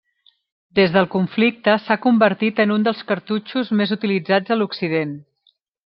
Des del conflicte s'ha convertit en un dels cartutxos més utilitzats a Occident.